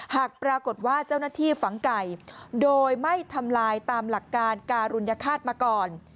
หากปรากฏว่าเจ้าหน้าที่ฝังไก่โดยไม่ทำลายตามหลักการการุญฆาตมาก่อน